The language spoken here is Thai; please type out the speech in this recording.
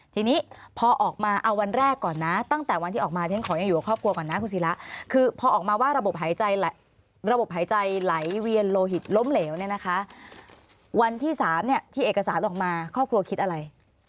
ทีนี้พอออกมาเอาวันแรกก่อนนะตั้งแต่วันที่ออกมาฉันขอยังอยู่กับครอบครัวก่อนนะคุณศิระคือพอออกมาว่าระบบหายใจระบบหายใจไหลเวียนโลหิตล้มเหลวเนี่ยนะคะวันที่๓เนี่ยที่เอกสารออกมาครอบครัวคิดอะไร